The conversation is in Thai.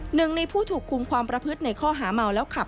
หนึ่งในผู้ถูกคุมความประพฤติในข้อหาเมาแล้วขับ